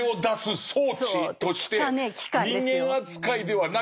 人間扱いではなく。